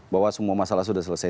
bahwa semua masalah sudah selesai